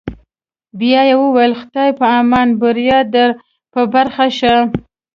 بیا یې وویل: خدای په امان، بریا در په برخه شه.